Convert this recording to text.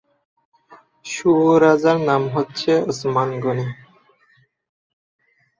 সুয়োরাজার নাম হচ্ছে ওসমান গনি।